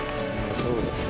そうですね。